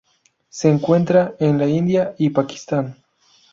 Se encuentra en la India y Pakistán.